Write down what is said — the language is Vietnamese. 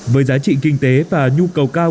với giá trị kinh tế và nhu cầu cao